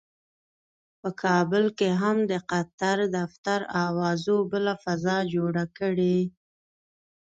په کابل کې هم د قطر دفتر اوازو بله فضا جوړه کړې.